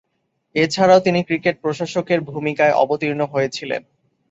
এছাড়াও তিনি ক্রিকেট প্রশাসকের ভূমিকায় অবতীর্ণ হয়েছিলেন।